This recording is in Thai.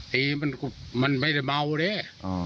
ตีมันก็ไม่ได้เมาเลย